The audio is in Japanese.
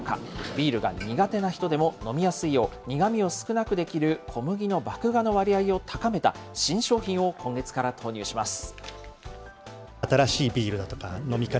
ビールが苦手な人でも飲みやすいよう、苦みを少なくできる小麦の麦芽の割合を高めた新商品を今月から投入します。